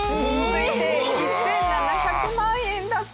推定１７００万円だそうです。